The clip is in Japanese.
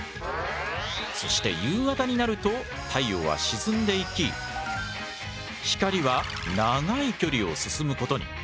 そして夕方になると太陽は沈んでいき光は長い距離を進むことに。